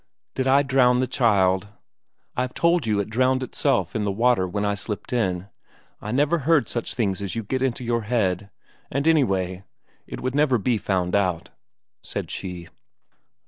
"Did I drown the child? I've told you it drowned itself in the water when I slipped in. I never heard such things as you get in your head. And, anyway, it would never be found out," said she.